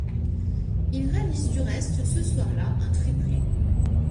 Il réalise du reste ce soir-là un triplé.